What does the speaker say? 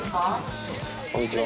こんにちは。